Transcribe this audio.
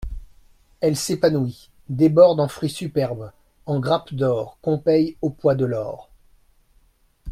Elle s'épanouit, déborde en fruits superbes, en grappes d'or, qu'on paye au poids de l'or.